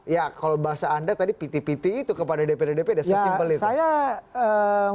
ya kalau bahasa anda tadi piti piti itu kepada dpd dp ada sesimpel itu